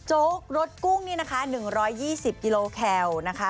โกรสกุ้งนี่นะคะ๑๒๐กิโลแคลนะคะ